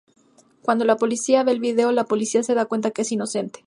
Cuando la policía ve el video, la policía se da cuenta que es inocente.